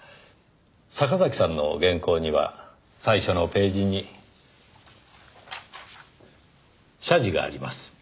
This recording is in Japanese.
坂崎さんの原稿には最初のページに謝辞があります。